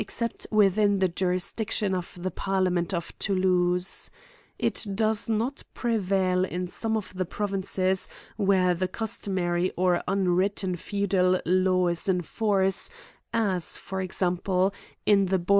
cept within the jurisdiction of the parliament of Thoulouse. It does not prevail in some of the provinces where the customary or unwritten feu dal lawf is in force as, for example, in the Bour.